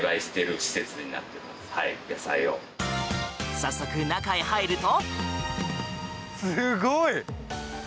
早速、中へ入ると。